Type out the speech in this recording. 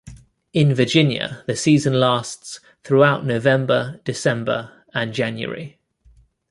In Virginia, the season lasts throughout November, December, and January.